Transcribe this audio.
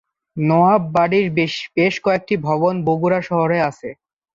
নওয়াব বাড়ীর বেশ কয়েকটি ভবন বগুড়া শহরে আছে।